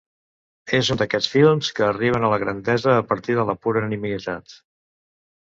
És un d'aquests films que arriben a la grandesa a partir de la pura nimietat.